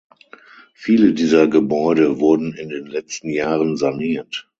Viele dieser Gebäude wurden in den letzten Jahren saniert.